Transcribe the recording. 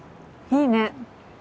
いいね。